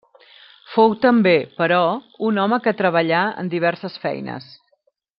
Fou també, però, un home que treballà en diverses feines.